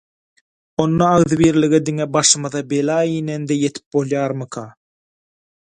Onda agzybirlige diňe başymyza bela inende ýetip bolýarmyka?